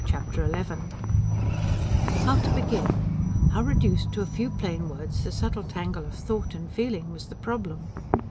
Chapter XI How to begin, how reduce to a few plain words his subtle tangle of thought and feeling, was the problem.